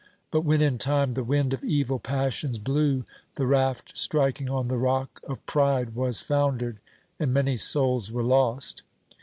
But when in time the wind of evil passions blew, the raft striking on the rock of pride was foundered, and many souls were lost.